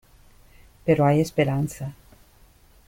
pero hay esperanza.